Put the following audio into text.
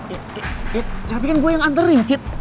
eh eh eh tapi kan gue yang anterin cid